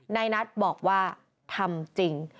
นายนัทบอกว่าทำจริง